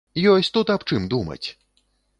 Ёсць тут аб чым думаць!